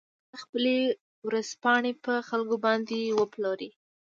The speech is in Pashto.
هغه خپلې ورځپاڼې په خلکو باندې وپلورلې.